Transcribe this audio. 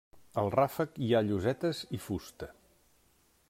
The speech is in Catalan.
Al ràfec hi ha llosetes i fusta.